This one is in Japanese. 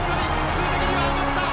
数的には余った。